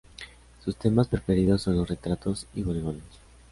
Sus temas preferidos son los retratos y bodegones.